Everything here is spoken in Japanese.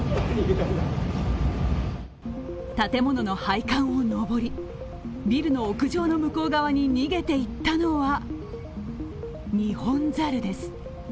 建物の配管を上り、ビルの屋上の向こう側に逃げていったのはニホンザルです。